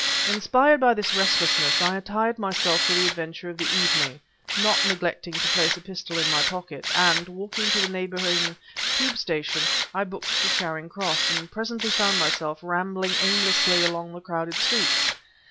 Inspired by this restlessness, I attired myself for the adventure of the evening, not neglecting to place a pistol in my pocket, and, walking to the neighboring Tube station, I booked to Charing Cross, and presently found myself rambling aimlessly along the crowded streets.